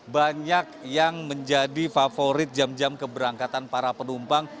banyak yang menjadi favorit jam jam keberangkatan para penumpang